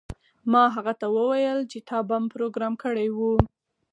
ما هغه ته وویل چې تا بم پروګرام کړی و